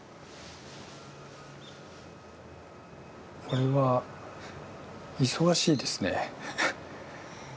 これは忙しいですね。